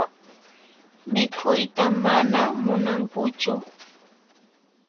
Mikhuyta mana munankuchu.